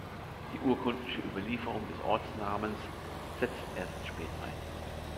Die urkundliche Überlieferung des Ortsnamens setzt erst spät ein.